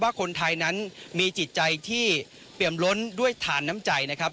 คนไทยนั้นมีจิตใจที่เปรียมล้นด้วยฐานน้ำใจนะครับ